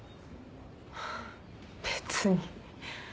別に。